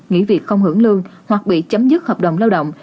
nghỉ việc không hưởng lương hoặc bị chấm dứt hợp đồng lao động